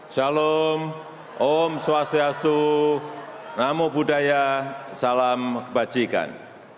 shalom om swastiastu namo buddhaya salam kebajikan